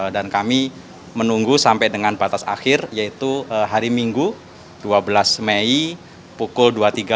dan kami menunggu sampai dengan batas akhir yaitu hari minggu dua belas mei pukul dua puluh tiga lima puluh sembilan